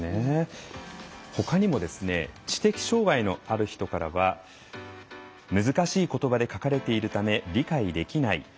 ほかにも知的障害のある人からは難しいことばで書かれているため理解できない。